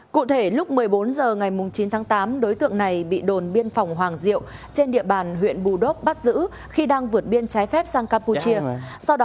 cụ thể lúc một mươi bốn h ngày chín tháng tám đối tượng này bị đồn biên phòng hoàng diệu trên địa bàn huyện bù đốp bắt giữ khi đang vượt biên trái phép sang campuchia